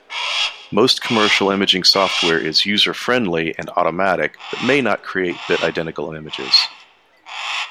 Most commercial imaging software is "user-friendly" and "automatic" but may not create bit-identical images.